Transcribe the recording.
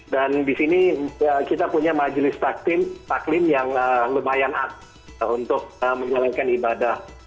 dan di sini kita punya majlis taklim yang lumayan aktif untuk menjalankan ibadah